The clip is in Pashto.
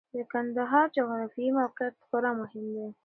د کندهار جغرافیايي موقعیت خورا مهم دی.